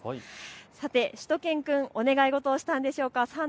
さてしゅと犬くんお願い事をしたのでしょうか。